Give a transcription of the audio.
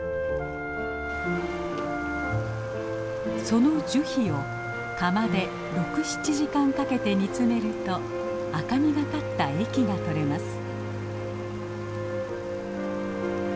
その樹皮を釜で６７時間かけて煮詰めると赤みがかった液がとれます。